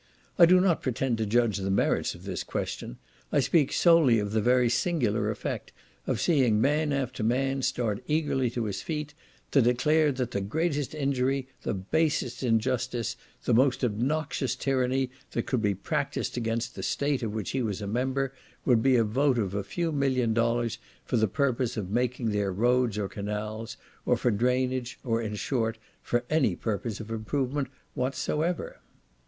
I do not pretend to judge the merits of this question. I speak solely of the very singular effect of seeing man after man start eagerly to his feet, to declare that the greatest injury, the basest injustice, the most obnoxious tyranny that could be practised against the state of which he was a member, would be a vote of a few million dollars for the purpose of making their roads or canals; or for drainage; or, in short, for any purpose of improvement whatsoever.